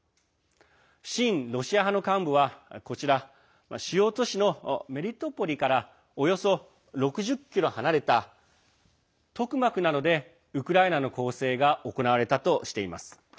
親ロシア派の幹部はこちら主要都市のメリトポリからおよそ６０ｋｍ離れたトクマクなどでウクライナの攻勢が行われたとしています。